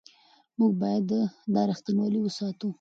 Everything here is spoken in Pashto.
موږ باید دا رښتینولي وساتو.